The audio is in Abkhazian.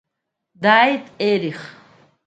Дҵааит Ерих.